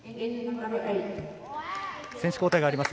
選手交代があります